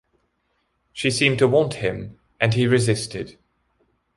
She seemed to want him, and he resisted.